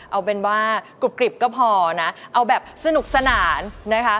เอาเป็นว่ากรุบกริบก็พอนะเอาแบบสนุกสนานนะคะ